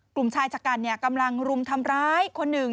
กลุ่มชายชะกันกำลังรุมทำร้ายคนหนึ่ง